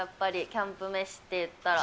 キャンプ飯っていったら。